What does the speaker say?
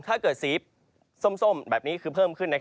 สีส้มแบบนี้คือเพิ่มขึ้น